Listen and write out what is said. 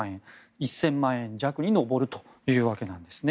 １０００万円弱に上るというわけです。